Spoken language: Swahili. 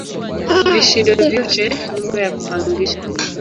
Vishindo vyote nyumba ya kupangisha